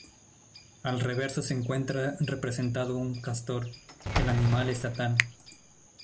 Al reverso se encuentra representado un castor, el animal estatal.